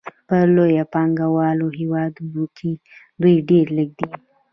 په لویو پانګوالو هېوادونو کې دوی ډېر لږ دي